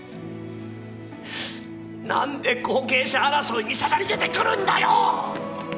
何で後継者争いにしゃしゃり出てくるんだよ！